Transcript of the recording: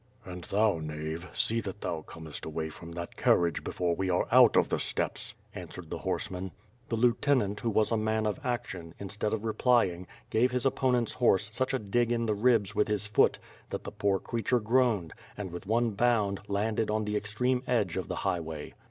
"And thou, knave, see that thou comest away from that carriage before we are out of the steppes!" answered the horseman. The lieutenant who was a man of action, instead of reply ing, gave his opponent's horse such a dig in the ribs with his foot that the poor creature groaned, and with one bound, landed on the extreme edge of the highway.